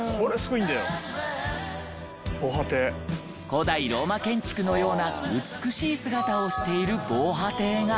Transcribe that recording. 古代ローマ建築のような美しい姿をしている防波堤が。